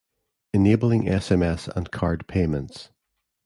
Enabling sms and card payments.